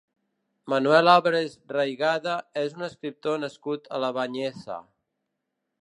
Manuel Álvarez Raigada és un escriptor nascut a La Bañeza.